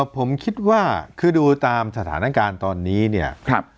ผมคิดว่าคือดูตามสถานการณ์ตอนนี้เนี่ย